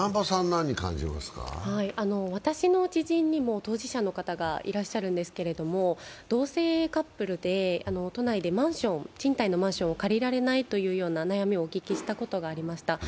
私の知人にも当事者の方がいらっしゃるんですけれども同性カップルで都内で賃貸のマンションを借りられないという悩みをお聞きしたことがありました。